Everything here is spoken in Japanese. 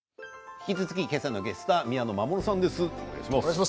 引き続き今朝のゲストは宮野真守さんです。